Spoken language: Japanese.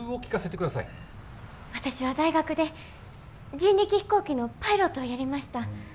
私は大学で人力飛行機のパイロットをやりました。